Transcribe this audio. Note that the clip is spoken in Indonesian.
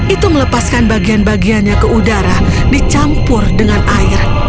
itu melepaskan bagian bagiannya ke udara dicampur dengan air